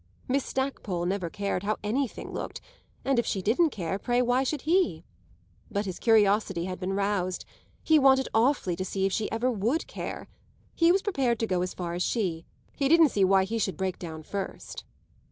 Miss Stackpole never cared how anything looked, and, if she didn't care, pray why should he? But his curiosity had been roused; he wanted awfully to see if she ever would care. He was prepared to go as far as she he didn't see why he should break down first.